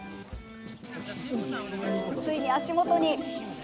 ついに足元に。